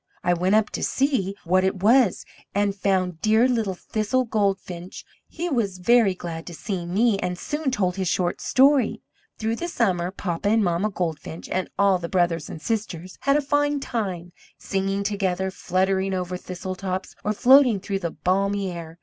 I went up to see what it was, and found dear little Thistle Goldfinch! He was very glad to see me, and soon told his short story. Through the summer Papa and Mamma Goldfinch and all the brothers and sisters had a fine time, singing together, fluttering over thistletops, or floating through the balmy air.